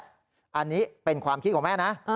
อันนี้เป็นความคิดของแม่นะ